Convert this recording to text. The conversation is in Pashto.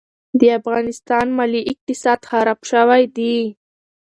د افغانستان مالي اقتصاد خراب شوی دي.